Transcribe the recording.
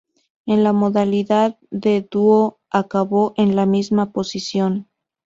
En la modalidad de dúo acabó en la misma posición.